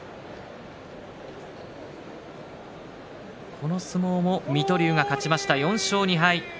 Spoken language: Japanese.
この相撲も水戸龍が勝ちました。